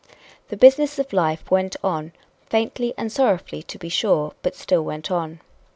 The business of life went on, faintly and sorrowfully, to be sure, but still went on.